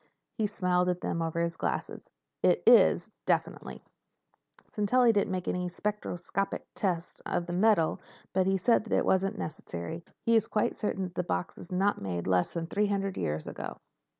He smiled at them over his glasses. "It is—definitely. Sintelli didn't make any spectroscopic tests of the metal, but he said that wasn't necessary. He is quite certain that the box was made not less than three hundred years ago."